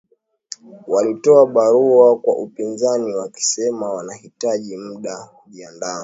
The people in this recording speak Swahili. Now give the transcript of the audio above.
Walitoa barua kwa upinzani wakisema wanahitaji muda kujiandaa